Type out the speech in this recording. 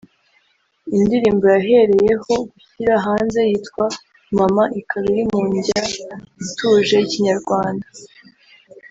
indirimbo yahereyeho gushyira hanze yitwa Mama ikaba iri mu njya ituje y’ikinyarwanda